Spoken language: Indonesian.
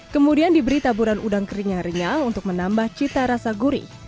kemudian diberi taburan udang kering yang renyah untuk menambah cita rasa gurih